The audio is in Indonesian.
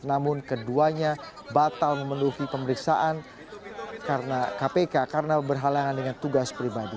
namun keduanya batal memenuhi pemeriksaan karena kpk karena berhalangan dengan tugas pribadi